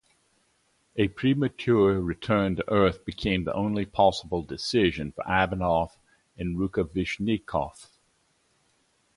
A premature return to Earth became the only possible decision for Ivanov and Rukavishnikov.